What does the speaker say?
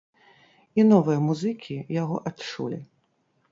І новыя музыкі яго адчулі.